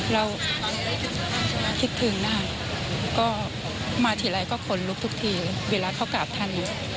เราคิดถึงนะคะก็มาทีไรก็ขนลุกทุกทีเวลาเขากราบท่าน